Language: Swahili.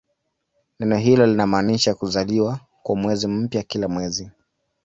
Neno hilo linamaanisha "kuzaliwa" kwa mwezi mpya kila mwezi.